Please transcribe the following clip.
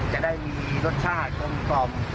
จะได้มีรสชาติตมออม